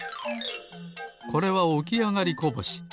これはおきあがりこぼし。